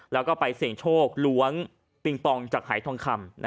แล้วก็ไปเสี่ยงโชคล้วงปิงปองจากหายทองคำ